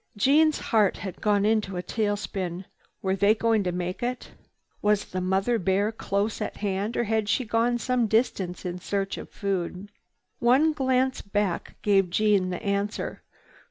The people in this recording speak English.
Jeanne's heart had gone into a tailspin. Were they going to make it? Was the mother bear close at hand, or had she gone some distance in her search for food? One glance back gave Jeanne the answer.